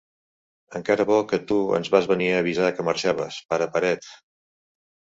Encara bo que tu ens vas venir a avisar que marxaves, pare paret.